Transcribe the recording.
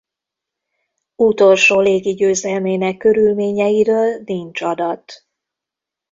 Utolsó légi győzelmének körülményeiről nincs adat.